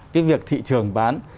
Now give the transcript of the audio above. cái việc thị trường bán